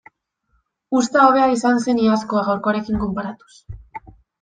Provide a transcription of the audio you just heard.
Uzta hobea izan zen iazkoa gaurkoarekin konparatuz.